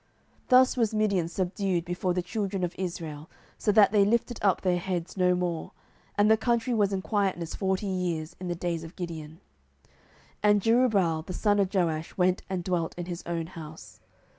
07:008:028 Thus was Midian subdued before the children of Israel, so that they lifted up their heads no more. And the country was in quietness forty years in the days of Gideon. 07:008:029 And Jerubbaal the son of Joash went and dwelt in his own house.